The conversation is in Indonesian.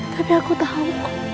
tapi aku tau